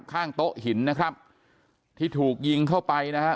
ข้างโต๊ะหินนะครับที่ถูกยิงเข้าไปนะฮะ